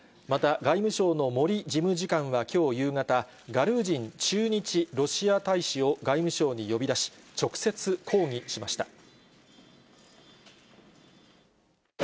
また外務省のもり事務次官はきょう夕方、ガルージン駐日ロシア大使を外務省に呼び出し、直接、抗議しました。